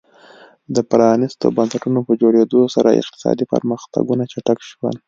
د پرانیستو بنسټونو په جوړېدو سره اقتصادي پرمختګونه چټک شول.